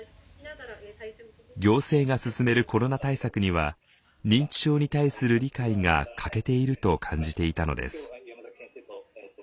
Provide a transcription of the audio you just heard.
行政が進めるコロナ対策には認知症に対する理解が欠けていると感じていたのです。